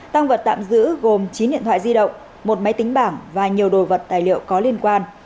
tăng vật tạm giữ gồm chín điện thoại di động một máy tính bảng và nhiều đồ vật tài liệu có liên quan